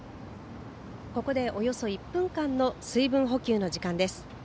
ここでおよそ１分間の水分補給の時間です。